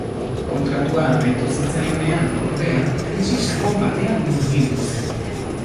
Kontratua amaitu zitzaionean, ordea, krisi sakon batean murgildu zen.